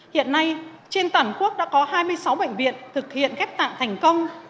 hiện nay trên toàn quốc đã có hai mươi sáu bệnh viện thực hiện ghép tạng thành công